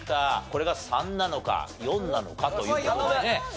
これが３なのか４なのかという事でね。